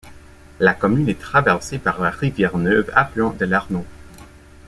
La commune est traversée par la Rivière Neuve, affluent de l'Arnon.